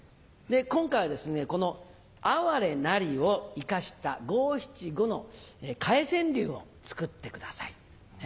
今回はこの「哀れなり」を生かした五・七・五の替え川柳を作ってください。